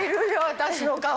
私の顔。